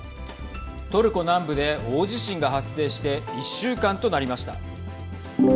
トルコ南部で大地震が発生して１週間となりました。